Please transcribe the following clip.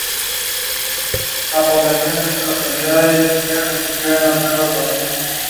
Destaca una pirámide invertida que fue inaugurada con la primera etapa del complejo.